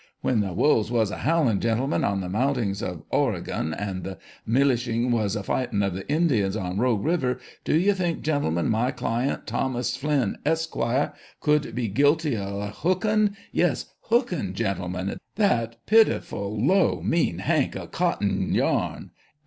When the wolves was a howling gentlemen, on the mountings of Oregon, anc the milisliy was a fighting of the Injins on Rogue River, do you think, gentlemen, my client, Thomas Flinn, Esq., could be guilty o" hookin' — yes, hookin', gentlemen — that pitiful low, mean, hank o' cotting yarn